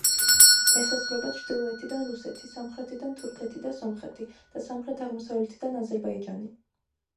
ესაზღვრება ჩრდილოეთიდან რუსეთი, სამხრეთიდან თურქეთი და სომხეთი, და სამხრეთ-აღმოსავლეთიდან აზერბაიჯანი.